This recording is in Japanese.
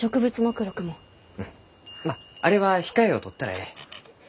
まああれは控えをとったらえい。